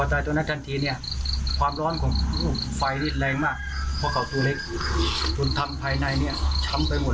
จนทำภายในนี้ช้ำไปหมดเลยเหมือนกับ